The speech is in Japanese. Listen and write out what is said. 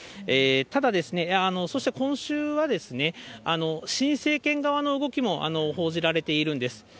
ただ、今週は新政権側の動きも報じられているんです。